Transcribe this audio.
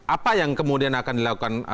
apa yang kemudian akan dilakukan